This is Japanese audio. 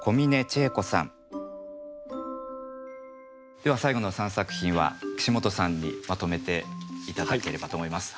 では最後の三作品は岸本さんにまとめて頂ければと思います。